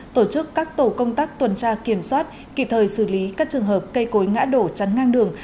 tổ chức các tổ công tác tuần tra kiểm soát kịp thời xử lý các trường hợp cây cối ngã đổ chắn ngang đường